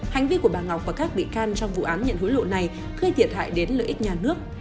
hành vi của bà ngọc và các bị can trong vụ án nhận hối lộ này gây thiệt hại đến lợi ích nhà nước